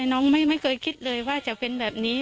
น้องไม่เคยคิดเลยว่าจะเป็นแบบนี้